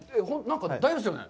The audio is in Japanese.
大丈夫ですよね？